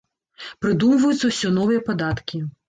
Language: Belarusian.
Прыдумваюцца ўсё новыя падаткі.